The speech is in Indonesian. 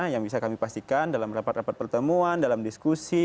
yang bisa kami pastikan dalam rapat rapat pertemuan dalam diskusi